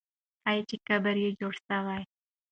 ښایي چې قبر یې جوړ سي.